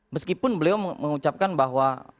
meskipun beliau mengucapkan bahwa